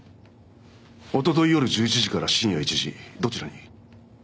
おととい夜１１時から深夜１時どちらに？